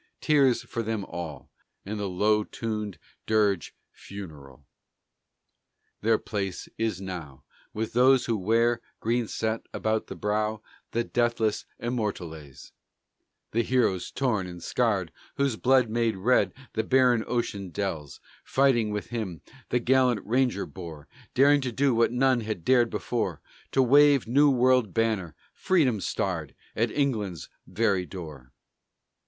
Tears for them all, And the low tunèd dirge funereal! Their place is now With those who wear, green set about the brow, The deathless immortelles, The heroes torn and scarred Whose blood made red the barren ocean dells, Fighting with him the gallant Ranger bore, Daring to do what none had dared before, To wave the New World banner, freedom starred, At England's very door!